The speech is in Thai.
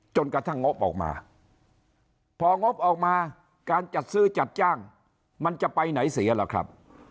จนกระทั่งงบออกมาพองบออกมาการจัดซื้อจัดจ้างมันจะไปไหนเสียล่ะครับ